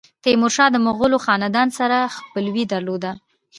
تیمورشاه د مغولو خاندان سره خپلوي درلوده.